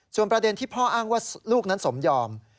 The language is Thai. ส่วนประเด็นที่พ่ออ้างว่าลูกนั้นสมยอม